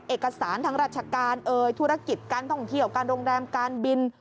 เอกสารทางราชการเอ่ยธุรกิจการท่องเที่ยวการโรงแรมการบิน